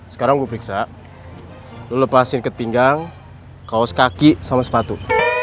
sekarang gue periksa lo lepasin ketpinggang kaos kaki sama sepatu